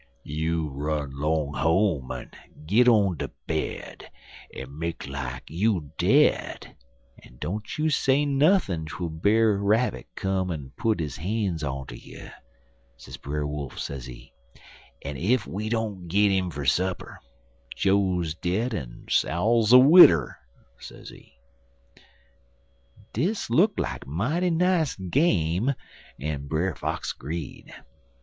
"'You run 'long home, en git on de bed, en make like you dead, en don't you say nothin' twel Brer Rabbit come en put his han's onter you,' sez Brer Wolf, sezee, 'en ef we don't git 'im fer supper, Joe's dead en Sal's a widder,' sezee. "Dis look like mighty nice game, en Brer Fox 'greed.